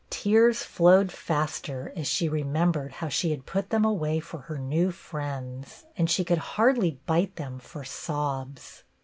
Tears flowed faster as she remembered how she had put them away for her new friends ; and she could hardly bite them for sobs.